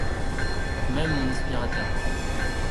Même mon aspirateur.